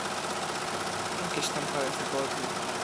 Jakieś tam parę tygodni.